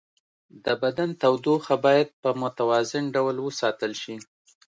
د بدن تودوخه باید په متوازن ډول وساتل شي.